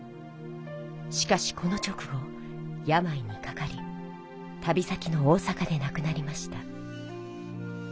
しかしこの直後やまいにかかり旅先の大阪でなくなりました。